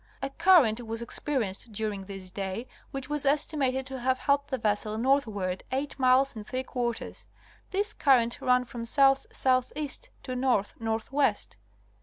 A current was experienced during this day which was estimated to have helped the vessel northward eight miles and three quarters. This current ran from south southeast to north northwest.